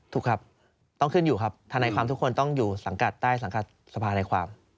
ถูกครับต้องขึ้นอยู่ครับทนายความทุกคนต้องอยู่สังกัดใต้สังกัดสภาในความ